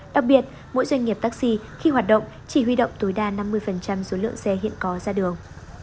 đặc biệt mỗi doanh nghiệp taxi khi hoạt động chỉ huy động tối đa năm mươi số lượng xe hiện có ra đường